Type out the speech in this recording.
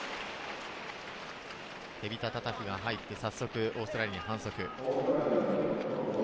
テビタ・タタフが入って早速オーストラリアに反則。